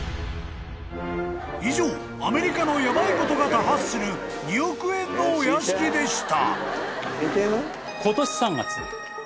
［以上アメリカのヤバいことが多発する２億円のお屋敷でした］